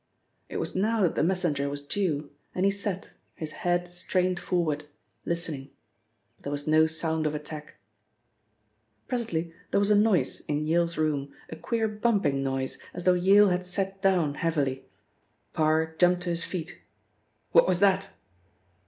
It was now that the messenger was due and he sat, his head strained forward, listening, but there was no sound of attack. Presently there was a noise in Yale's room, a queer bumping noise as though Yale had sat down heavily. Parr jumped to his feet. "What was that?"